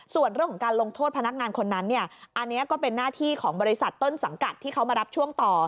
ส่วนเรื่องของการลงโทษพนักงานคนนั้นเนี่ยอันนี้ก็เป็นหน้าที่ของบริษัทต้นสังกัดที่เขามารับช่วงต่อ